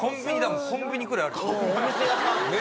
お店屋さん。